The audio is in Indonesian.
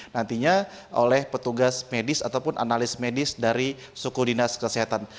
nantinya oleh petugas medis ataupun analis medis dari suku dinas kesehatan